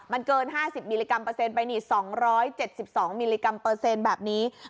มันเกิน๕๐มิลลิกรัมเปอร์เซ็นไปนี่๒๗๒มิลลิกรัมเปอร์เซ็นต์แบบนี้